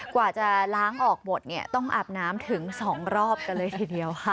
กว่าจะล้างออกหมดเนี่ยต้องอาบน้ำถึง๒รอบกันเลยทีเดียวค่ะ